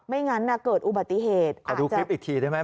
งั้นน่ะเกิดอุบัติเหตุขอดูคลิปอีกทีได้ไหม